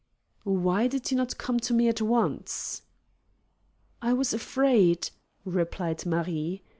"Why did you not come to me at once?" "I was afraid," replied Marie.